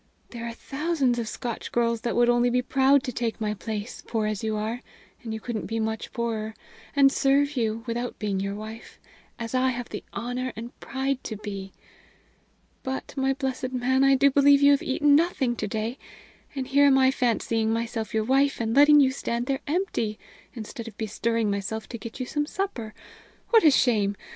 There are thousands of Scotch girls that would only be proud to take my place, poor as you are and you couldn't be much poorer and serve you, without being your wife, as I have the honor and pride to be! But, my blessed man, I do believe you have eaten nothing to day; and here am I fancying myself your wife, and letting you stand there empty, instead of bestirring myself to get you some supper! What a shame!